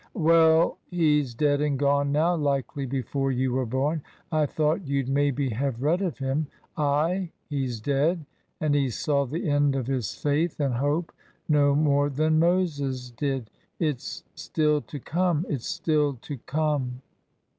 " Well ! He's dead and gone now — likely before you were born. I thought you'd maybe have read of him. Ay ! He's dead. And he saw the end of his faith and hope no more than Moses did. It's still to come. It's still to come."